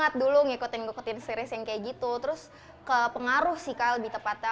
tapi pas dulu ngikutin ngikutin series yang kayak gitu terus ke pengaruh sih kak lebih tepatnya